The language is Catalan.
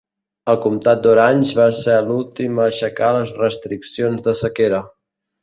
El comtat d'Orange va ser l'últim a aixecar les restriccions de sequera.